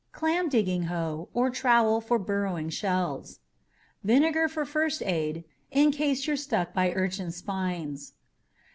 CLAM DIGGING HOE or trowel for burrowing shells. VINEGAR for first aid, in case you're stuck by urchin's spines.